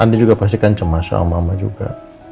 andi juga pastikan cemas sama mama juga